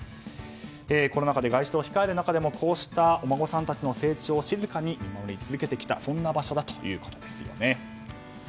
コロナ禍で外出を控える中でもこうしたお孫さんたちの成長を静かに見守り続けてきたそんな場所だということですね。